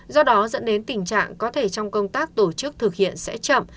do đó dẫn đến tình trạng có thể trong công tác tổ chức thực hiện sẽ chậm